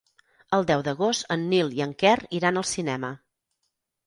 El deu d'agost en Nil i en Quer iran al cinema.